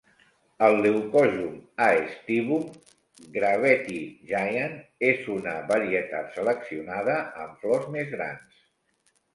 El "Leucojum aestivum" "'Gravetye Giant" és una varietat seleccionada amb flors més grans.